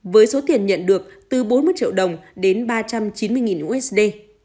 với số tiền nhận được từ bốn mươi triệu đồng đến ba trăm chín mươi usd